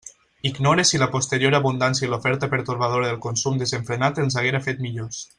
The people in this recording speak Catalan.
Ignore si la posterior abundància i l'oferta pertorbadora del consum desenfrenat ens haguera fet millors.